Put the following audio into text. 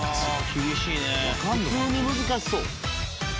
普通に難しそう。